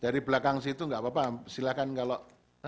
dari belakang situ nggak apa apa silahkan kalau